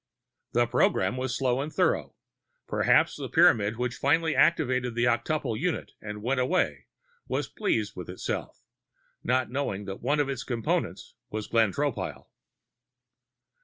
The programming was slow and thorough. Perhaps the Pyramid which finally activated the octuple unit and went away was pleased with itself, not knowing that one of its Components was Glenn Tropile.